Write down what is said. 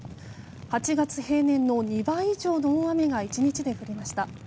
８月平年の２倍以上の大雨が１日で降りました。